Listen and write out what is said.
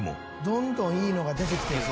「どんどんいいのが出てきてる」